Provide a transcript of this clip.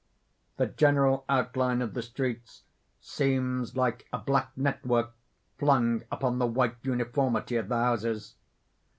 _ _The general outline of the streets seems like a black network flung upon the white uniformity of the houses.